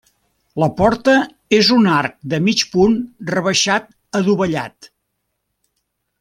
La porta és un arc de mig punt rebaixat adovellat.